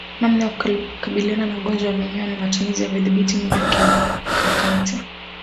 Namna ya kukabiliana na ugonjwa wa minyoo ni matumizi ya vidhibiti minyoo kimkakati